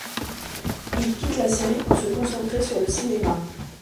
Il quitte la série pour se concentrer sur le cinéma.